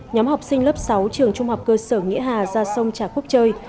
nhóm học sinh lớp sáu trường trung học cơ sở nghĩa hà ra sông trà khúc chơi